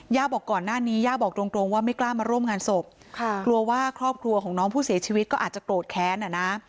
บอกก่อนหน้านี้ย่าบอกตรงตรงว่าไม่กล้ามาร่วมงานศพค่ะกลัวว่าครอบครัวของน้องผู้เสียชีวิตก็อาจจะโกรธแค้นอ่ะนะ